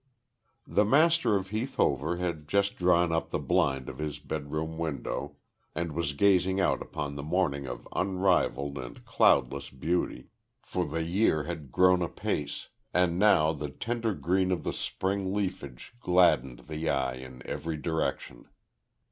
The master of Heath Hover had just drawn up the blind of his bedroom window, and was gazing out upon a morning of unrivalled and cloudless beauty, for the year had grown apace, and now the tender green of the spring leafage gladdened the eye in every direction.